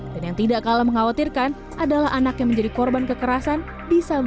dan yang tidak kalah mengkhawatirkan adalah anak yang menjadi korban kekerasan bisa berubah menjadi pelaku kekerasan tersebut